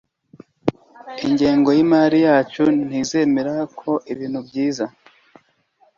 Ingengo yimari yacu ntizemera ko ibintu byiza